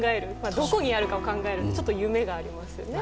どこにあるかを考えるって夢がありますよね。